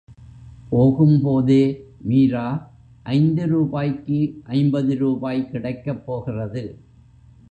போகும் போதே, மீரா, ஐந்து ரூபாய்க்கு ஐம்பது ரூபாய் கிடைக்கப் போகிறது!